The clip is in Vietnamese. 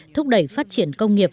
thúc đẩy phát triển công nghiệp